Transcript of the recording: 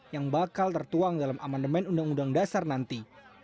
yang bakal tertuang dalam amandemen undang undang dasar nanti